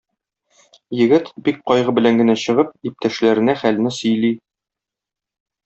Егет, бик кайгы белән генә чыгып, иптәшләренә хәлне сөйли.